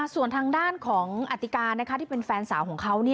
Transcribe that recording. ส่วนทางด้านของอติกาที่เป็นแฟนสาวของเขา